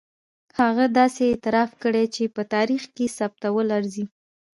هغه داسې اعتراف کړی چې په تاریخ کې ثبتېدلو ارزي.